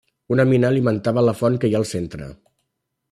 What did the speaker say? Una mina alimentava la font que hi ha al centre.